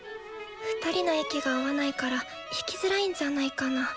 ２人の息が合わないから弾きづらいんじゃないかな？